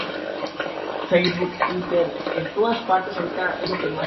Careciendo de autorización y permiso, no se podía casar.